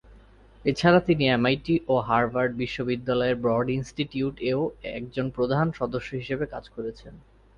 এছাড়া তিনি এমআইটি ও হার্ভার্ড বিশ্ববিদ্যালয়ের ব্রড ইন্সটিটিউট-এও একজন প্রধান সদস্য হিসেবে কাজ করছেন।